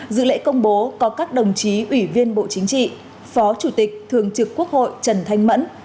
dự lễ công bố có các đồng chí ủy viên bộ chính trị phó chủ tịch thường trực quốc hội trần thanh mẫn